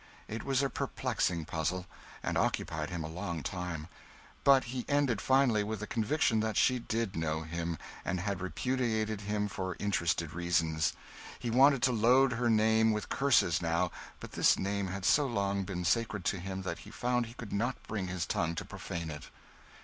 It was a perplexing puzzle, and occupied him a long time; but he ended, finally, with the conviction that she did know him, and had repudiated him for interested reasons. He wanted to load her name with curses now; but this name had so long been sacred to him that he found he could not bring his tongue to profane it.